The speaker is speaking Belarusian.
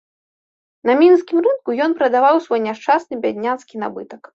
На мінскім рынку ён прадаваў свой няшчасны бядняцкі набытак.